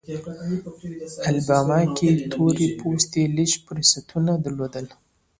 الاباما کې تور پوستي لږ فرصتونه درلودل.